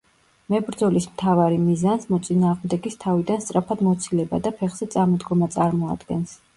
მებრძოლის მთავარი მიზანს მოწინააღმდეგის თავიდან სწრაფად მოცილება და ფეხზე წამოდგომა წარმოადგენს.